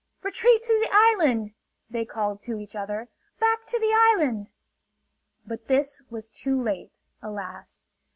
"Retreat to the island!" they called to each other. "Back to the island!" But this was too late, alas.